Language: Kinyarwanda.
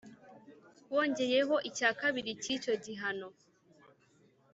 wongeyeho icya kabiri cy icyo gihano